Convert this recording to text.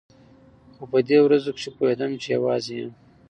خو په دې ورځو کښې پوهېدم چې يوازې يم.